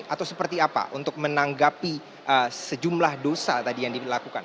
atau seperti apa untuk menanggapi sejumlah dosa tadi yang dilakukan